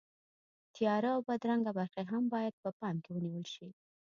تیاره او بدرنګه برخې هم باید په پام کې ونیول شي.